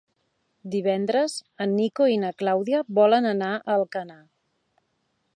Divendres en Nico i na Clàudia volen anar a Alcanar.